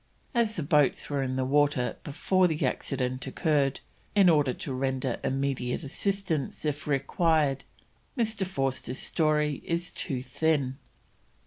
As the boats were in the water before the accident occurred, in order to render immediate assistance if required, Mr. Forster's story is too thin.